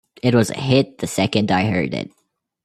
It was a hit the second I heard it.